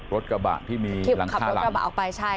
รถกระบะที่มีคลิปขับรถกระบะออกไปใช่